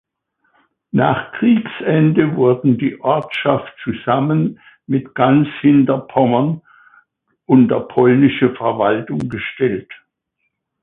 Nach Kriegsende wurden die Ortschaft zusammen mit ganz Hinterpommern unter polnische Verwaltung gestellt.